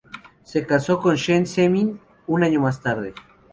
Se casó con Shen Zemin un año más tarde.